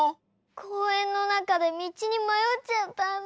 こうえんのなかでみちにまよっちゃったんだ。